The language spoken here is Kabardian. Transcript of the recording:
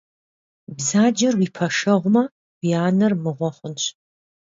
Бзаджэр уи пэшэгьумэ уи анэр мыгъуэ хъунщ.